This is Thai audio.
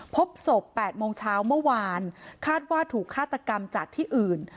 พบศพ๘โมงเช้าเมื่อวานคาดว่าถูกฆาตกรรมจากที่อื่น